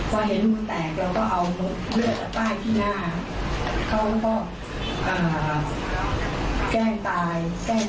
ไม่หายใจไม่อะไรเพราะมาดูแล้วก็เห็นนิ่งเขาก็เดินไป